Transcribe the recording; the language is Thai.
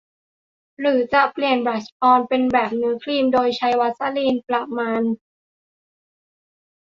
หรือจะเปลี่ยนบลัชออนเป็นแบบเนื้อครีมโดยใช้วาสลีนประมาณ